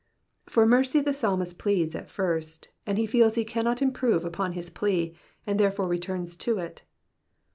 For mercy the psalmist pleads at first, and he feels he cannot improve upon his plea, and therefore returns to it.